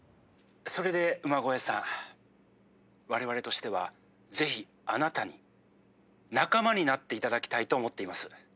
それで馬越さん我々としてはぜひあなたに仲間になっていただきたいと思っています」。